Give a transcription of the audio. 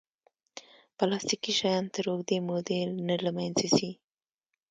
پلاستيکي شیان تر اوږدې مودې نه له منځه ځي.